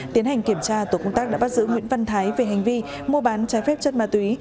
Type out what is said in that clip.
tiến hành kiểm tra tổ công tác đã bắt giữ nguyễn văn thái về hành vi mua bán trái phép chất ma túy